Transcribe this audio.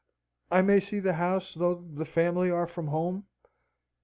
I may see the house, though the family are from home?"